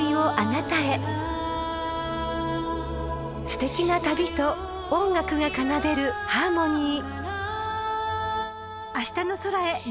［すてきな旅と音楽が奏でるハーモニー］